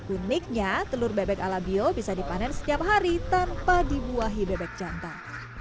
uniknya telur bebek ala bio bisa dipanen setiap hari tanpa dibuahi bebek jantan